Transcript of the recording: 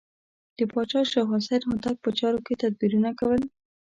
د پاچا شاه حسین هوتک په چارو کې تدبیرونه کول.